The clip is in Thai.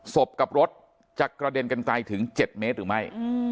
ศพกับรถจะกระเด็นกันไกลถึง๗เมตรหรือไม่